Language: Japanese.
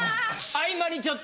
合間にちょっと。